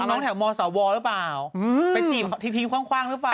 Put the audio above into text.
น้องแถวมสวหรือเปล่าไปจีบทิ้งคว่างหรือเปล่า